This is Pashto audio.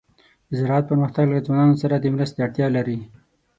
د زراعت پرمختګ له ځوانانو سره د مرستې اړتیا لري.